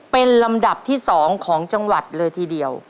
เป็นลำดับที่๒ของจังหวัดเลยทีเดียว